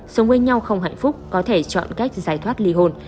sống bên nhau không hạnh phúc có thể chọn cách giải thoát lì hồn